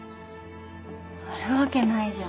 あるわけないじゃん。